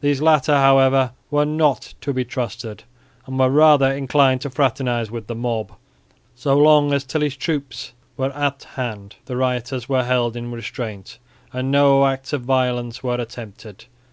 These latter, however, were not to be trusted and were rather inclined to fraternise with the mob. So long as Tilly's troops were at hand, the rioters were held in restraint and no acts of violence were attempted.